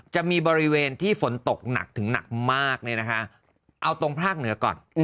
จะมีบริเวณที่ฝนตกหนักถึงหนักมากเนี่ยนะคะเอาตรงภาคเหนือก่อน